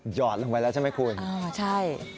หอดลงไปแล้วใช่ไหมคุณอ๋อใช่